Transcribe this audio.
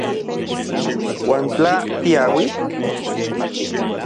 ¿Uan tla tiauij...?